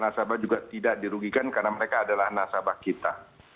nasabah juga tidak dirugikan karena mereka adalah nasabah kita